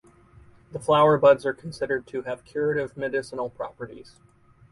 The flower buds are considered to have curative medicinal properties.